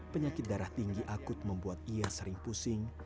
penyakit darah tinggi akut membuat ia sering pusing